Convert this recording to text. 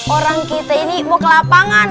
orang kita ini mau ke lapangan